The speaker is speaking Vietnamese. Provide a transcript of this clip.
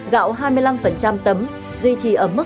gạo hai mươi năm tấm duy trì ở mức bốn trăm năm mươi năm